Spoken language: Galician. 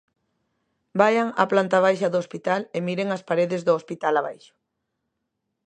Vaian á planta baixa do hospital e miren as paredes do hospital abaixo.